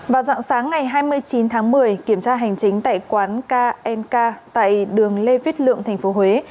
vào dạng sáng ngày hai mươi chín tháng một mươi kiểm tra hành chính tại quán knk tại đường lê viết lượng tp huế